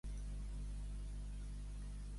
Què va haver de fer al final la monarca amb Nithard?